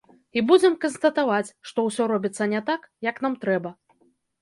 І будзем канстатаваць, што ўсё робіцца не так, як нам трэба.